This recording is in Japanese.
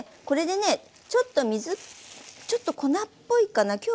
これでねちょっと水ちょっと粉っぽいかな。